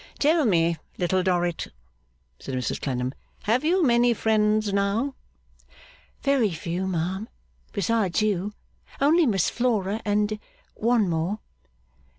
'Tell me, Little Dorrit,' said Mrs Clennam, 'have you many friends now?' 'Very few, ma'am. Besides you, only Miss Flora and one more.